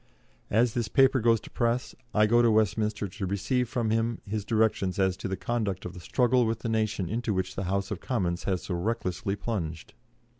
As this paper goes to press, I go to Westminster to receive from him his directions as to the conduct of the struggle with the nation into which the House of Commons has so recklessly plunged."